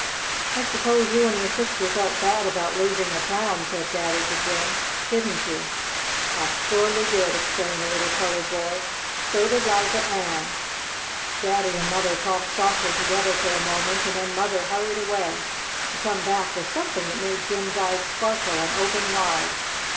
"I suppose you and your sister felt bad about losing the Clown," said Daddy to Jim. "Didn't you?" "I suahly did!" exclaimed the little colored boy. "So did Liza Ann." Daddy and Mother talked softly together a moment, and then Mother hurried away to come back with something that made Jim's eyes sparkle and open wide.